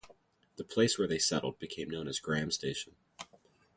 The place where they settled became known as Graham Station.